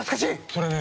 それね。